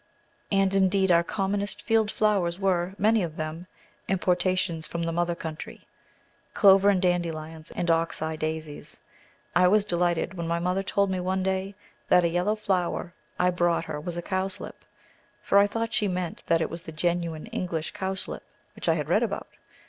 And, indeed, our commonest field flowers were, many of them, importations from the mother country clover, and dandelions, and ox eye daisies. I was delighted when my mother told me one day that a yellow flower I brought her was a cowslip, for I thought she meant that it was the genuine English cowslip, which I had read about.